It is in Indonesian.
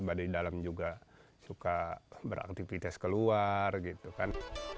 badai dalam juga suka beraktivitas keluar gitu kan